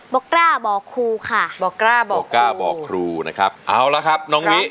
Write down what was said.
บอกกล้าบอกครูค่ะบอกกล้าบอกบอกกล้าบอกครูนะครับเอาละครับน้องวิ